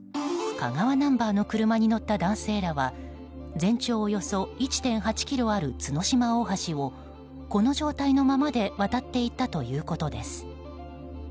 香川ナンバーの車に乗った男性らは全長およそ１．８ｋｍある角島大橋をこの状態のままで渡って行ったということです。